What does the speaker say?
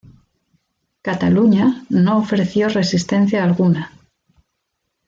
Cataluña no ofreció resistencia alguna.